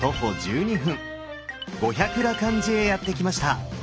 五百羅漢寺へやって来ました。